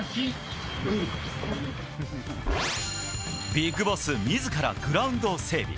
ビッグボス自らグラウンドを整備。